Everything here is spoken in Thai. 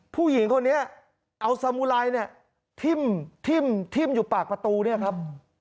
ผู้หญิงคนนี้เอาสมุไรเนี่ยทิ่มอยู่ปากประตูเนี่ยครับ